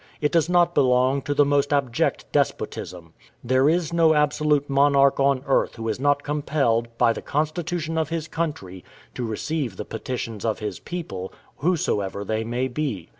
It does not belong to the most abject despotism. There is no absolute monarch on earth who is not compelled, by the constitution of his country, to receive the petitions of his people, whosoever they may be.